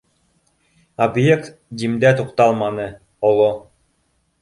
Объект Димдә туҡталманы, оло